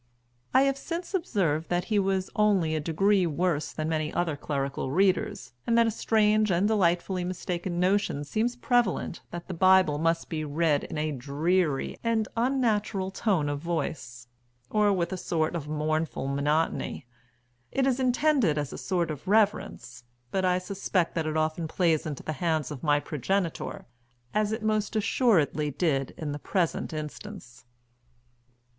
I have since observed that he was only a degree worse than many other clerical readers, and that a strange and delightfully mistaken notion seems prevalent that the Bible must be read in a dreary and unnatural tone of voice, or with a sort of mournful monotony; it is intended as a sort of reverence, but I suspect that it often plays into the hands of my progenitor, as it most assuredly did in the present instance.